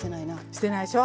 捨てないでしょ。